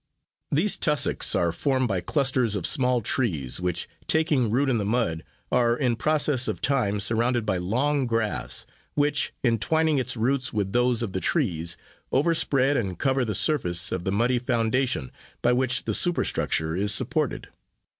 These tussocks are formed by clusters of small trees, which, taking root in the mud, are, in process of time, surrounded by long grass, which, entwining its roots with those of the trees, overspread and cover the surface of the muddy foundation, by which the superstructure is supported.